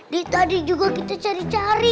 di tadi juga kita cari cari